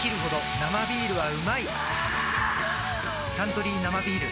「サントリー生ビール」